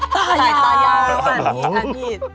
ตายานี่